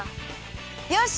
よし！